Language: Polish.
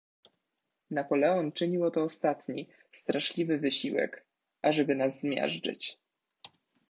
"Napoleon czynił oto ostatni, straszliwy wysiłek, ażeby nas zmiażdżyć."